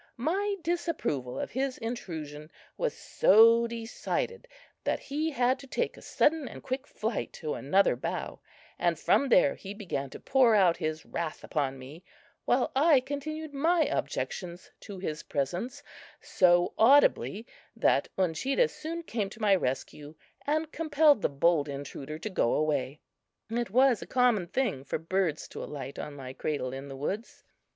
My disapproval of his intrusion was so decided that he had to take a sudden and quick flight to another bough, and from there he began to pour out his wrath upon me, while I continued my objections to his presence so audibly that Uncheedah soon came to my rescue, and compelled the bold intruder to go away. It was a common thing for birds to alight on my cradle in the woods.